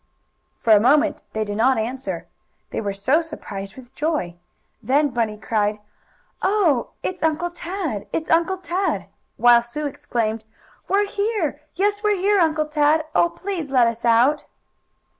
For a moment they did not answer, they were so surprised with joy. Then Bunny cried: "Oh, it's Uncle Tad! It's Uncle Tad!" While Sue exclaimed: "We're here! Yes, we're here, Uncle Tad! Oh, please let us out!"